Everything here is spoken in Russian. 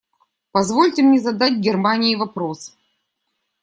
Позвольте мне задать Германии вопрос.